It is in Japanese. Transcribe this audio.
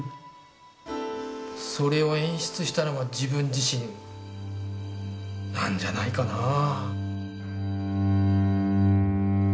それを演出したのは自分自身なんじゃないかなぁ。